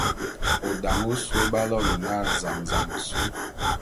O dane ôsôé b'aloene na zam-zam ôsôé.